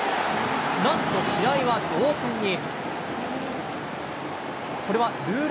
なんと試合は同点に。